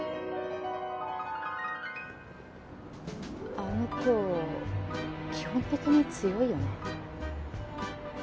あの子基本的に強いよね。